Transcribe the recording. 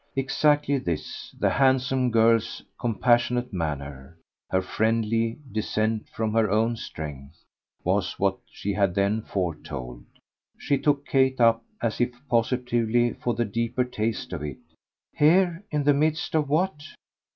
Exactly this the handsome girl's compassionate manner, her friendly descent from her own strength was what she had then foretold. She took Kate up as if positively for the deeper taste of it. "Here in the midst of what?"